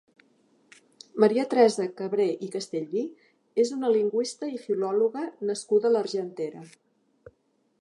Maria Teresa Cabré i Castellví és una lingüista i filòloga nascuda a l'Argentera.